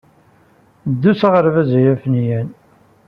Ddu s aɣerbaz a afenyan!